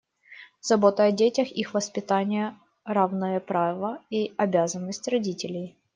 Забота о детях, их воспитание - равное право и обязанность родителей.